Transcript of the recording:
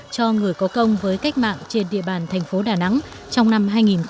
cho người có công với cách mạng trên địa bàn thành phố đà nẵng trong năm hai nghìn một mươi chín